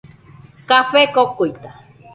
Café kokuita.